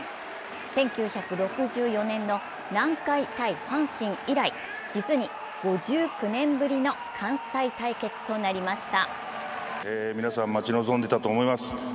１９６４年の南海×阪神以来、実に５９年ぶりの関西対決となりました。